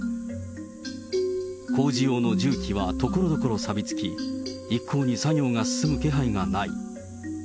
工事用の重機はところどころさびつき、一向に作業が進む気配がない。